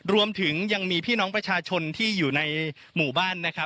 รวมถึงยังมีพี่น้องประชาชนที่อยู่ในหมู่บ้านนะครับ